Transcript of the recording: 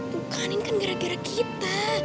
bukanin kan gara gara kita